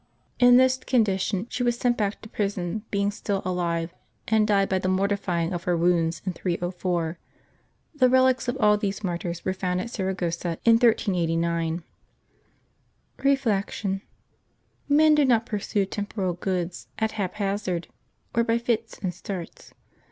In this condition she was sent back to prison, being still alive, and died by the mortifying of her wounds, in 304. The relics of all these martyrs were found at Saragossa in 1389. Reflection. — Men do not pursue temporal goods at hap hazard, or by fits and starts.